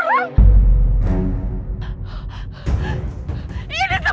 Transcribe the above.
ini semua gara gara kamu